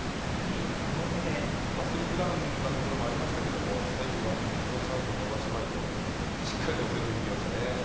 スリップダウンのところもありましたけど最後はこのチャンスを逃しまいとしっかりと抑え込みにいきましたね。